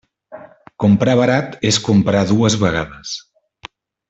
Comprar barat és comprar dues vegades.